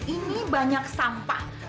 ini banyak sampah